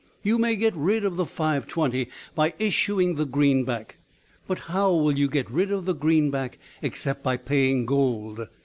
You may get rid of the Five twenty by issuing the greenback, but how will you get rid of the greenback except by paying gold?